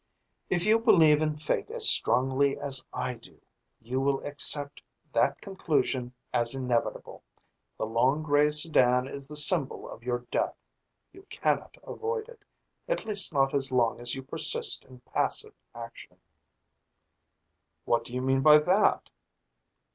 "If you believe in fate as strongly as I do, you will accept that conclusion as inevitable. The long gray sedan is the symbol of your death. You cannot avoid it at least not as long as you persist in passive action." "What do you mean by that?"